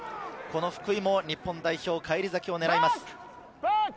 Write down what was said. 福井も日本代表返り咲きを狙います。